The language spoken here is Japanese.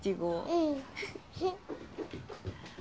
うん。